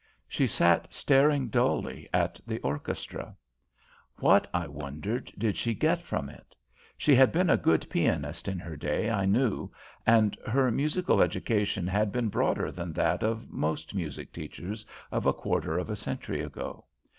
She sat staring dully at the orchestra. What, I wondered, did she get from it? She had been a good pianist in her day, I knew, and her musical education had been broader than that of most music teachers of a quarter of a century ago.